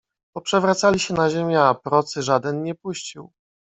Poprzewracali się na ziemię, a procy żaden nie puścił.